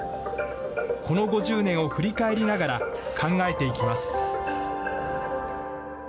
この５０年を振り返りながら、考えていきます。